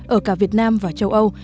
ở cả việt nam và châu âu